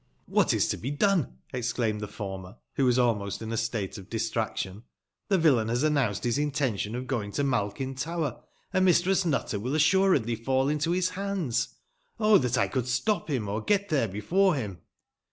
" What is to be done ?" ezclaimed the former, who was almost in a State of distraction. ''The yillain has announced his Inten tion of going to Malkin Tower, and Mistress Nutter will assu redly f aJl into his hands. Oh ! that I could stop him, or get there before him